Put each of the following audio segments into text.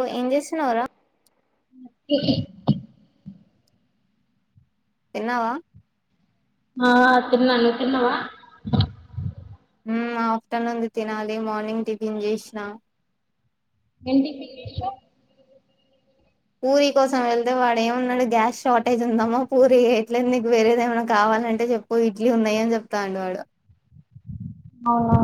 ఓ ఏం చేస్తున్నావురా [unintelligible] తిన్నావా ఆ తిన్నా నువ్ తిన్నావా హ్మ్ఆఫ్టర్నూన్ది తినాలి మార్నింగ్ టిఫిన్ చేసిన ఏం టిఫిన్ చేసావ్ పూరి కోసం వెళ్తే వాడు ఏమన్నాడు గ్యాస్ షార్టేజ్ ఉందమ్మా పూరి ఎయట్లేదు నీకు వేరేది ఏమైనా కావాలంటే చెప్పు ఇడ్లీ ఉన్నాయ అని చెప్తాండు వాడు అవునా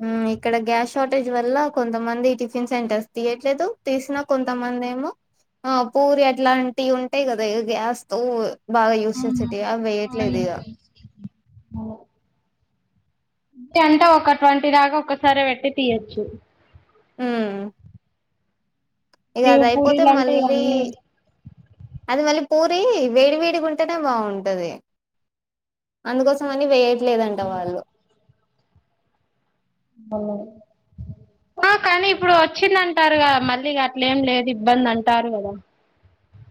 హ్మ్ ఇక్కడ గ్యాస్ షార్టేజ్ వల్ల కొంతమంది టిఫిన్ సెంటర్స్ తీయట్లేదు తీసినా కొంతమంది ఏమో ఆ పూరి ఆ అట్లాంటివి ఉంటాయి కదా గ్యాస్ తో బాగా యూజ్ చేసే తే వేయట్లేదు ఇగా అంటే ఒక ట్వంటీ దాకా ఒకసారే పెట్టి తీయొచ్చు హ్మ్ ఇక అది అయిపోతే పూరీలు అంటే మళ్ళీ అది మళ్ళీ పూరి వేడి వేడిగా ఉంటేనే బావుంటది అందుకోసం అని వే లేదంట వాళ్ళు అవును ఆ కానీ ఇప్పుడు వచ్చిందన్ అంటారు కదా మళ్ళీ గట్ల ఎమ్ లేదు ఇబ్బంది అంటారు కదా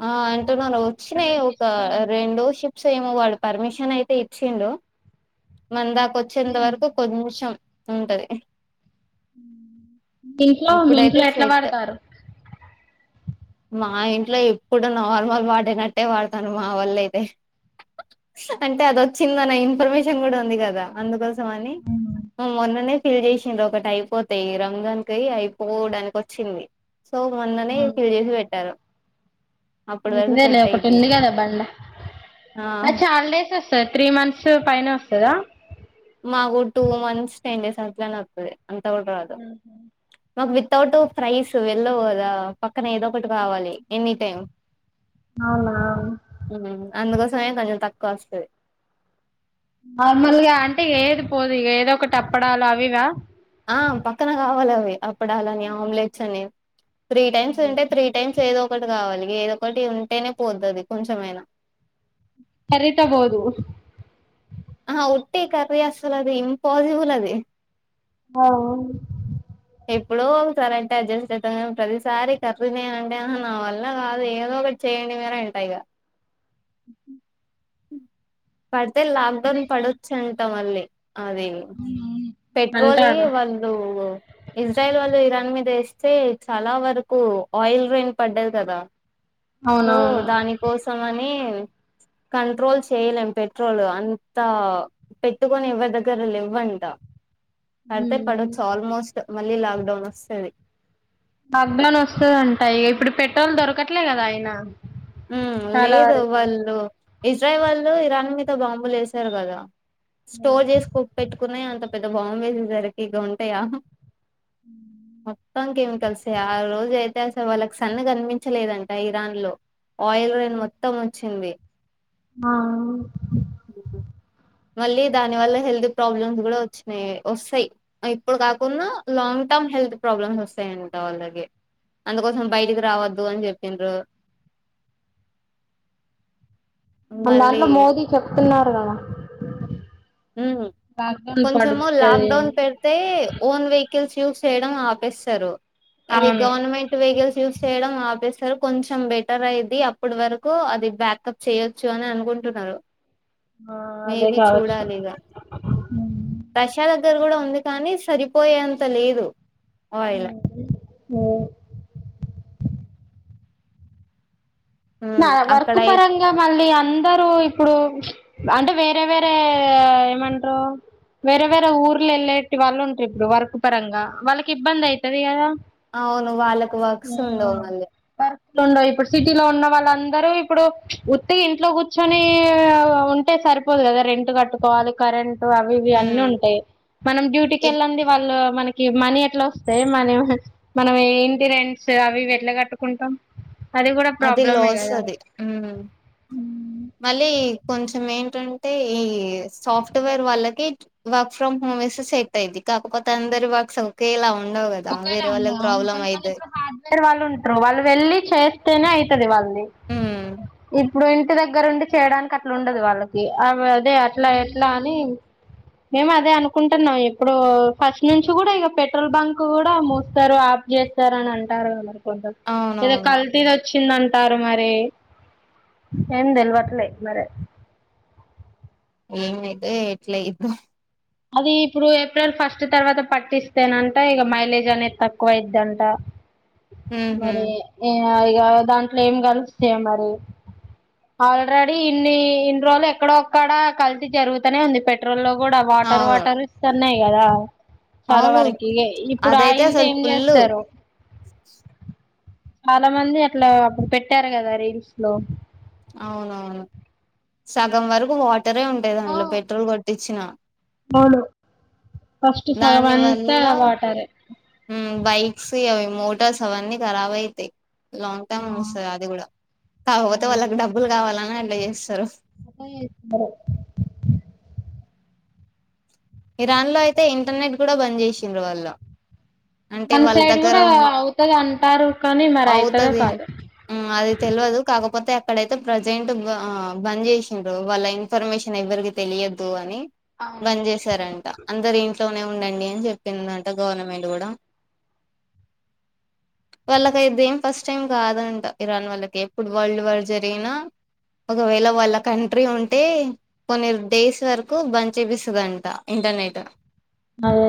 ఆన్ తునాను ఇప్పటి వచ్చినాయి నుంచి ఒక ఇస్తామంట రెండో షిప్స్ తే ఏమో వాడు పర్మిషన్ అయితే ఇచ్చిండు మన దాక వచ్చేంత వరకు కొంచెం ఉంటది టిట్లో మీ ఇప్పుడైతే ఇంట్లో ఎట్లా సెట్ వడతారు మా ఇంట్లో ఎప్ ఇప్పుడు నార్మల్ వాడినట్టే వాడతాను మా వోల్లు అయితే అంటే అది వచ్చిందన ఇన్ఫర్మేషన్ కూడా ఉంది కదా అందుకోస మని మొన్ననే ఫీల్ చేసిన్రు ఒకటి అయిపోతాయి రంగాన్ కై అయిపోవడానికి వచ్చింది సో మొన్ననే ఫిల్ చేసి పెట్టారు అప్పటి వరకు మంచిదే లే సెట్ ఒకటి అయిద్ది ఉంది అని కదా బండ ఆ అ చాలుడేస్ వస్ సర్ త్రీ మంత్స్ పైన వస్తదా మాకు టూ మంత్స్ టెన్ డేస్ అట్లా నే వత్తది అంత ఉడరు అదు మాకు వితౌట్ ఫ్రైస్ వెళ్ళవు కదా పక్కన ఏదో ఒకటి కావాలి ఎనీ టైమ్ అవునా సయం కొంచం తక్కువ అస్తది నార్మల్గా అంటే ఏది పోదు ఇది ఏదో ఒకటి అప్పడాలు అవివా ఆ పక్కన కావాలి అవి అప్ అప్పడాలని ఆమ్లెట్స్ అని త్రీ టైమ్స్ తింటే త్రి టైమ్స్ ఏదో ఒకటి కావాలి ఏదో ఒకటి ఉంటేనే పోతది కొంచెమైనా కర్రీ తో వోదు ఆ ఉట్టి కర్రీ అసలు అది ఇంపాసిబుల్ అది ఆ ఎప్పుడో ఒకసరే అంటే అడ్జస్ట్ ఐత గానీ ప్రతిసారి కర్రి నే అంటే ఆహా నా వల్ల కాదు ఏదో ఒకటి చేయండి మీరు అంటా ఇగ అ పడితే లాక్డౌన్ పడొచ్చు అంటా మళ్ళీ అదే పెట్రోలీ అంటారు వాళ్ళు ఇజ్రాయల్ వాళ్ళు ఇరాన్ మీద వేస్తే చాలా వరకు ఆయిల్ రేయిన్ పడ్డది కదా సో దాని కోసం అని కంట్రోల్ చేయలేం పెట్రోల్ అంతా పెట్టుకోని ఎవ్వర్ దగ్గర లేవు అంట పడ్తే పడొచ్చు అవునవును ఆల్మోస్ట్ మళ్ళీ లాక్ డౌన్ వస్తది లొక్డౌన్ వస్తదంట ఇగ ఇప్పుడు పెట్రోల్ దొరకట్లే కదా ఆయన మ్మ్ లేదు వాళ్ళు ఇజ్రాయల్ వాళ్ళు ఇరాన్ మీద బాంబులు వేశారు కదా స్టోర్ చేసుకొని పెట్టుకునే అంత పెద్ద బాంబు ఏసేసరికి ఇక ఉంటాయా మొత్తం కేమి కలిసి ఆ రోజు అయితే అసలు వాళ్ళకి సన్ కనిపించలేదంట ఇరాన్ లో ఆయిల్ రన్ మొత్తం వచ్చింది ఆ మళ్ళీ దాని వల్ల హెల్త్ ప్రాబ్లమ్స్ కూడా వచ్చినాయి వస్తాయి ఇప్పుడు కాకుండా లాంగ్ టర్మ్ హెల్త్ ప్రాబ్లమ్స్ వస్తాయంట వాళ్ళకి అందుకోసం బయటికి రావద్దు అని చెప్పిన్రు మన మళ్ళీ దాంట్లో మోదీ చెప్తున్నారు కదా మ్మ్ లాక్డౌన్ కొంచము పడుతది లాక్డౌన్ అని పెడితే ఓన్ వెహిక కిల్స్ యూస్ చేయడం ఆపేస్తారు ఇవి అవును గవర్నమెంట్ వెహికల్స్ యూజ్ చేయడం ఆపేస్ సరే కొంచెం బెటర్ అయిద్ది అప్పటి వరకు అది బ్యాకప్ చేయొచ్చు అని అనుకుంటున్నారు ఆ అదే కావచ్చు ప్రశాలద్ దగ్గర కూడా ఉంది కాని సరిపోయేంత లేదు మ ఆయిల్ [unintelligible] మ్మ్ ఉమ్ వర్క్ అక్కడయి పరంగా మళ్ళీ అం అందరూ ఇప్పుడు అంటే వేరే వేరే ఏమంటారు వేరే వేరే ఊర్లు వెళ్ళేటి వాళ్ళు ఉంటారు ఇప్పుడు వర్కు పరంగా వాళ్ళకి ఇబ్బంది అయ్యితది కదా అవును వాళ్ళకు వర్క్స్ ఉండవు మళ్ళీ ఉండయ్ ఇప్పుడు సిటీలో ఉన్న వాళ్ళ అందరూ ఇప్పుడు ఉత్తిగా ఇంట్లో కూర్చొని ఉంటే సరిపోదు కదా రెంట్ కట్టుకోవాలి కరెంట్ అవి ఇవి అన్నీ ఉమ్ ఉంటాయి మనం డ్యూటీకి ఎక్ వెళ్ళంది వాళ్ళు మనకి మనీ ఎట్లా వస్తాయి మనీ మనం ఇంటి రెంట్స్ అవి ఇవి ఎట్లా కట్టుకుంటం అది కూడా ప్రాబ్లం అది లాస్ అది హ్మ్మ్ మళ్ళీ కొంచం ఏంటంటే ఈ సాఫ్ట్వేర్ వాళ్ళకి వర్క్ ఫ్రమ్ హోమ్ ఇస్తే సెట్ అయిది కాకపోతే అందరి వర్క్స్ ఒకేలా ఉ ఒకేలా ఉండవు అవును కొంతమంది ఇప్పుడు హార్డ్వేర్ ఉంటారు వాళ్ళు వెళ్ళి చేస్తేనే అయితాది వాళ్ళు ఉమ్ ఇ [unintelligible] ఇప్పుడు ఇంటి దగ్గర ఉండి చేయడానికి అట్లా ఉండదు వాళ్ళకి అ అదే అట్లా ఎట్లా అని మేము అదే అనుకుంటున్నాం ఇప్పుడు ఫస్ట్ నుంచి కూడా ఇక పెట్రోల్ బంక్ కూడా మూస్తారు ఆప్ చేస్తారు అని అంటారు కరికి ఏదో అవునవును కల్తీ వచ్చింద అంటారు మరి ఏం తెలివట్లేదు మరి ఎందైతే ఎట్లా ఐదు అది ఇప్పుడు ఏప్రిల్ ఫస్ట్ తర్వాత పట్టిస్తేనంట ఇక మైలేజ్ అనేది తక్కువ అయిదింట ఉహు మరే ఏ ఇ దాంట్లో ఏం కలిస్తా మరి ఆల్రెడీ ఇన్ని ఇన్ని రోజులు ఎక్కడో ఒక్కడా కల్తీజరుగుతూనే ఉంది పెట్రోల్ లో కూడా వాటారు అవును [unintelligible] ఇస్తన్నా గద చాలా అవును వరకి ఇప్పుడు ఆ అదైతే ఇంత అసలు ఏం ఫుల్ చేస్తారు [inaudible] చాలా మంది అట్లా అప్పుడు పెట్టారు కదా రీల్స్ లో అవునవును సగం వరకు వాటి ఇద్దరే ఉంటే దాంలో పెట్రోల్ కొట్టించి వచ్చిన అవును ఫస్ట్ సగం దాని అంతా వల్ల వాటరే బైక్స్ అవి మోటార్స్ అవన్నీ ఖరాబ్ అయితాయి లాంగ్ టర్మ్ వస్తుంది అది కూడా కాకపోతే వాళ్ళకి డబ్బులు కావాలని అట్లా చే సర సారు ఇరాన్లో అయితే ఇంటర్నెట్ కూడా బంద్ చేసింది వాళ్ల మన సైడ్ కూడా అవుతది అంటారు కానీ మరి అవుతుదా అవుతది కాదు కపోతే అక్కడయితే ప్రజెంట్ బంద్ చేసిండ్రు వాళ్ళ ఇన్ఫర్మేషన్ ఎవ్వరికి తెలియదు అని అవునవును అందరి ఏం ఇంట్లోనే ఉండండి అని చెప్పిందంట గవర్నమెంట్ కూడా వాళ్ళకి ఇదిేం ఫస్ట్ టైం కాదంట ఇరాన్ వాళ్ళకి ఎప్పుడు వరల్డ్ వార్ జరిగినా ఒకవేళ వాళ్ళ కంట్రీ ఉంటే కొన్ని డేస్ వరకు బంద్ చపిస్తుందింట ఇంటనే అతే అదే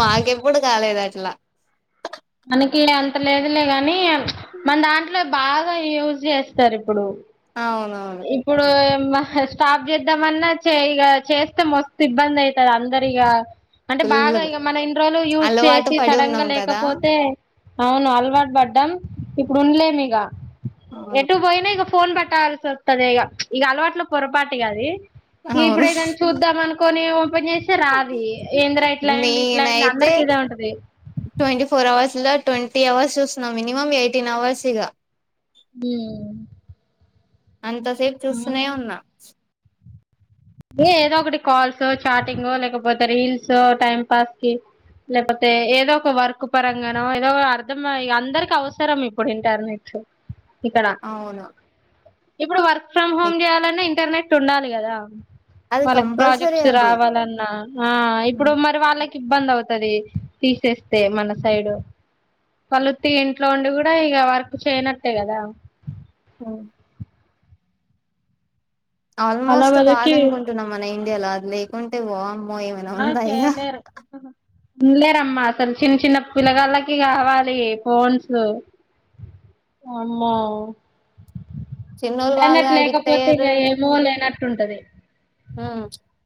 మాకెప్పుడు కాలేదుంటే ఇలా మనకి అంత లేదులే కాని మన దాంట్లో బాగా యూజ్ చేస్తారు ఇప్పుడు అవునవును ఇప్పుడు మా స్టాప్ చేద్దామన్నా చేయగా చేస్తే మస్తు ఇబ్బంది అయితంది అందరిగ అంటే బాగా ఫుల్ ఇగ మనం ఇన్ని రోజులు యూజ్ అలవాటు చేసి పడి సడన్ గా ఉన్నాం కదా లేకపోతే అవును అలవాటు పడ్డాం ఇప్పుడు ఉండలే మీగ అవును ఎటు బోయిన ఫోన్ బెట్టాలి సార్ తదేగఇక అలవాట్లో పొరపాటుగా అది అవును ఇప్పుడు ఏదైనా చూద్దాం అనుకో [unintelligible] పని చేసే రాది ఏంద్ర ఇట్లా అయింది ఇట్లా అయింది నేనైతే అందరికి ఇదే ఉంటది ట్వంటీ ఫోర్ అవర్స్ లో ట్వంటీ అవర్స్ చూస్తున్నాం మినిమం ఎయిటీన్ అవర్స్ ఇగ హ్మ్ అంతసేపు చూస్తూనే ఉన్నా ఏదో ఒకటి కాల్సో చాటింగో లేకపోతే రీల్సో టైం పాస్ కి లేకపోతే ఏదో ఒక వర్క్ పరంగానో ఏదో అర్థం అందరికి అవసరం ఇప్పుడు ఇంటర్నెట్స్ అవును ఇప్పుడు వర్క్ ఫ్రమ్ హోమ్ చేయాలన్నా ఇంటర్నెట్ నెట్టు ఉండాలి గదా అది వాళ్ళకి కంపల్సరీ ప్రాజెక్ట్స్ అది రావాలన్నా ఆ ఇప్పుడు మరి వాళ్ళకి ఇబ్బంది అవుతది తీసేస్తే మన సైడు పలుత్తి ఇంట్లో ఉండి కూడా ఇక వర్క్ చేయనట్టే కదా హ్మ్ అలా ఆల్మోస్ట్ కాదు వరకి అనుకుంటున్నా మన ఇండియాలో లేకుంటే వామ్ మో ఏమైనా ఆ ఉందా ఇగ చేయలేరు ఉండలేరమ్మా అసలు చిన్న చిన్న పిల్లగాళ్లకి కావాలి ఫోన్సు అమ్మో చిన్నోళ్ళు బాగా ఇంటర్నెట్ అడిక్ట్ లేకపోతే అయ్యారు ఇగా ఏమోలేనట్ టుంటది హ్మ్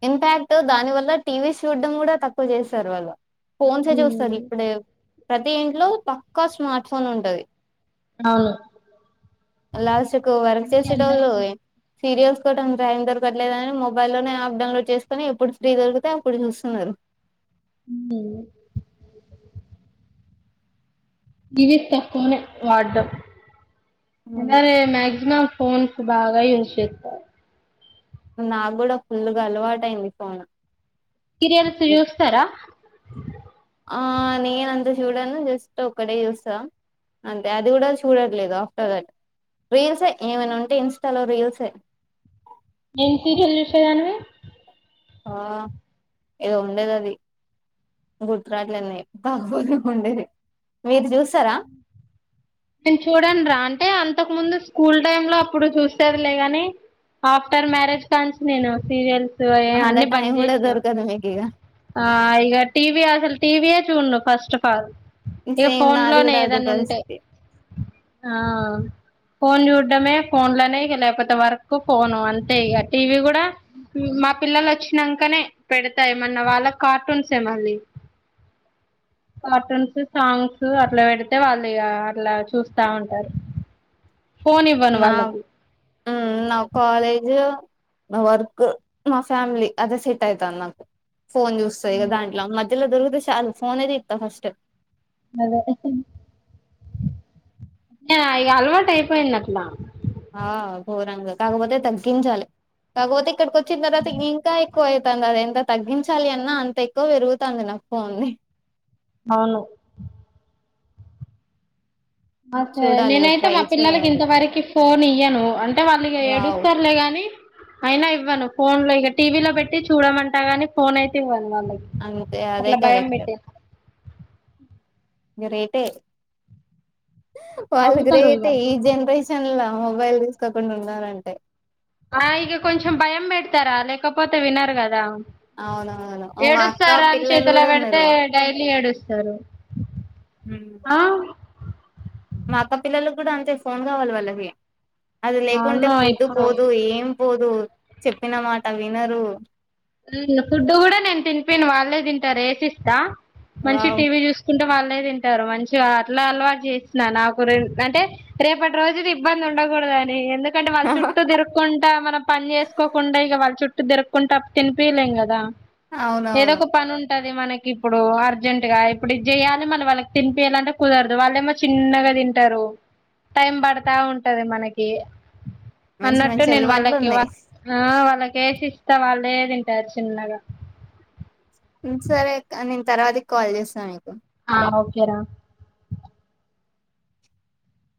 ఇన్ఫ్యాక్ట్ దాని వల్ల టీవీ చూడ్డం కూడా తక్కువ చేసారు వాళ్ళు ఫోన్సే చూస్తారు ఇప్పుడు ప్రతి ఇంట్లో పక్కా స్మార్ట్ ఫోన్ ఉంటది అవును లాస్ట్కు వర్క్ చేసేటోళ్ళు సీరియల్స్ కి కూడా టైం దొరకట్లేదని మొబైల్ లోనే యాప్ డౌన్లోడ్ చేసుకొని ఎప్పుడు ఫ్రీ దొరికితే అప్పుడు చూస్తున్నారు హ్మ్ ఇవి తక్కువ నే వాడ్డం ఉమ్. అలానే మ్యాక్సిమమ్ ఫోన్ బాగా ఏశేత్త నాకు గూడా ఫుల్ గా అలవాటు అయింది ఫోన్ సీరియల్స్ చూస్తరా ఆ నేను అంత చూడను జస్ట్ ఒక్కటే చూస్తా అంతే అది కూడా చూడట్లేదు ఆఫ్టర్ దట్ రీల్సే ఏమైనా ఉంటే ఇన్స్టాలో రీల్సే ఏం సీరియల్ చూషేదానివి ఆ ఏదో ఉండేది అది గుర్తుకురావట్లే అప్పట్లో ఉండేది మీది చూస్తరా నేను చూడన్ రా అంటే అంతకు ముందు స్కూల్ టైమ్ లో అప్పుడు చూసేదిలే గాని ఆఫ్టర్ మ్యారేజ్ కాంచి నేను సీరియల్స్ సో అంత అన్ని టైం కూడా బంజేసినా దొరకదు మీకు ఇగ ఆ ఇగా టీవీ అసలు టీవియే చూడను ఫస్ట్ ఆఫ్ ఆల్ ఇక సేమ్ ఫోన్ నాది లోనే కూడా అదే ఏదన్నా ఉంటే పరిస్థితి ఆ ఫోన్ చూడ్డమే ఫోన్లనే ఇక లేకపోతే వర్క్ ఫోను అంతే ఇగా టీవీ గూడా మా పిల్లలు వచ్చినంకనే పెడతా ఏమన్న వాళ్ళ కార్టూన్స్ ఏ మళ్ళి కార్టూన్స్ సాంగ్స్ అట్లా పెడితే వాళ్ళు ఇగా లా చూస్తా ఉంటారు ఫోన్ ఇవ్వను నా వాళ్ళకి ఉ నా కాలేజ్ నా వర్క్ మా ఫ్యామిలీ అదే సెట్ అయితాంది నాకు ఫోన్ చూస్తా ఇగ దాంట్ల మధ్యలో దొరుకుతే చాలు ఫోనే దిత్త ఫస్ట్ అలవాటైపోయింది ఇగా అ అలవాటు అయిపోయింది అట్లా ఆ గోరంగ కాకపోతే తగ్గించాలి కాకపోతే ఇక్కడికి వచ్చ చిన్న ఇంకా ఎక్కువై ంది అది ఎంత తగ్గించాలి అన్నా అంత ఎక్కువ పెరుగుతాంది నా ఫోన్ ది అవును సే చూడాలి ఇగ నేనైతే ట్రై మా పిల్లలకి చేయాలి ఇంతవరకు ఫోన్ ఇయ్యను అంటే వాళ్ళు ఇగా వావ్ ఏడుస్తారులే గాని అయినా ఇవ్వను ఫోన్ లో ఇక టీవీలో పెట్టి చూడమంటా గాని ఫోన్ అయితే ఇవ్వను వాళ్ళకి అంతే అదే అట్లా భయం కరెక్ట్ పెట్టే గ్రేటే వాళ్ళు గ్రేటే ఈ జెనరేషన్ ల మొబైల్ తీసుకోకుండా ఉన్నారంటే ఆ ఇగ కొంచెం భయం పెడతారా లేకపోతే వినరు కదా అవునవును ఓ, మా అక్క ఏడుస్తారు అని పిల్లలు చేతిలో కూడా ఉన్నారు పెడితే డైలీ ఏడుస్తారు ఉమ్. మా అక్క పిల్లలకి గూడా అంతే ఫోన్ కావాలి వాళ్ళకి అది లేకుంటే అవును ఫుడ్డు ఇప్పుడు పోదు ఏం పోదు చెప్పినమాట వినరు ఉ ఫుడ్ కూడా నేను తినిపియను వాళ్ళే తింటారు వేసి ఇస్తా మంచి వావ్ టీవీ చూసుకుంట వాళ్ళు నే తింటారు మంచిగా అట్లా అలవాటు చేస్తున్న నాకు అంటే రేపటి రోజులు ఇబ్బంది ఉండకూడదు. అని ఎందుక్ కంటే వాళ్ళ చుట్టూ తిరుక్కుంటా మనం పని చేసుకోకుండా ఇక వాళ్ళ చుట్టూ దిరక్కుంటా తినిపియలేం గదా ఏదో అవునవును ఒక పనీ ఉం టది. మనకి ఇప్పుడు అర్జెంట్ గా ఇప్పుడు ఇది చేయాలి. మన వాళ్ళకి తినిపియాలంటే కుదరదు. వాళ్ళ ఏమో చిన్నగా తింటారు. టైం పడతా ఉంటది మనకి మంచి అన్నట్టు మంచి నేను అలవాట్లు వాళ్ళకి ఉన్నాయి. ల్లకేసి ఇస్త వాళ్ళు అదే తింటారు చిన్నగా సరే అక్క నేను తర్వాతీ కి కాల్ చేస్తాను మీకు ఓకేరా